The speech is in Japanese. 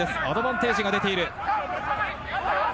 アドバンテージが出ている。